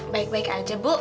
baik baik aja bu